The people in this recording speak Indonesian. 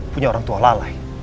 punya orang tua lalai